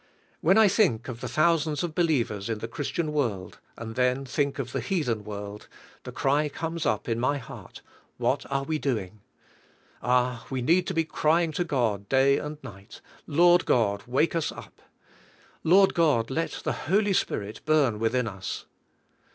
When I think of the thousands of believers in the Christian world and then think of the heathen world, the cry comes up in my heart: "What are we doing? ' Ah, we need to be crying to God da}^ and night, "Lord God, wake us up. Lord God, let the Holy Spirit burn within us."